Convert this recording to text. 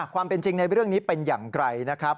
ความเป็นจริงในเรื่องนี้เป็นอย่างไรนะครับ